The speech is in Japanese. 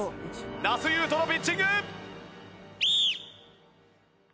那須雄登のピッチング！